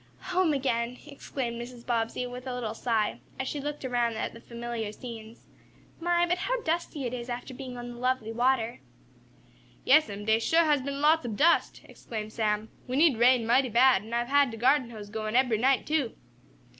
"Home again!" exclaimed Mrs. Bobbsey, with a little sigh, as she looked around at the familiar scenes. "My, but how dusty it is after being on the lovely water." "Yes'm, dey shuah has been lots ob dust!" exclaimed Sam. "We need rain mighty bad, an' I've had de garden hose goin' ebery night, too."